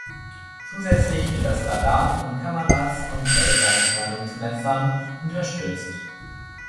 Zusätzlich wird das Radar von Kameras und Laser-Entfernungsmessern unterstützt.